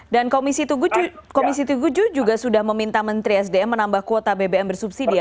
dan komisi tugucu juga sudah meminta menteri sdm menambah kuota bbm bersubsidi ya